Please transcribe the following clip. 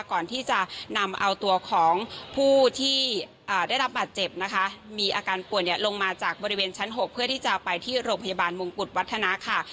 ก่อนที่จะนำเอาตัวของผู้ที่ได้รับบาดเจ็บนะคะมีอาการปวดเนี่ยลงมาจากบริเวณชั้น๖เพื่อที่จะไปที่โรงพยาบาลมงกุฎวัฒนาค่ะ